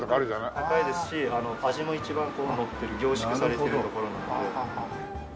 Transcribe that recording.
高いですし味も一番のってる凝縮されてるところなので。